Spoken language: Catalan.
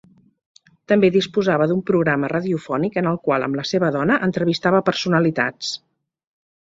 També disposava d'un programa radiofònic en el qual amb la seva dona entrevistava personalitats.